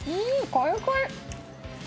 カリカリ！